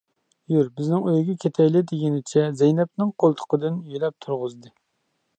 يۈر بىزنىڭ ئۆيگە كېتەيلى دېگىنىچە زەينەپنىڭ قولتۇقىدىن يۆلەپ تۇرغۇزدى.